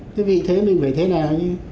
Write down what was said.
thế vì thế mình phải thế nào nhé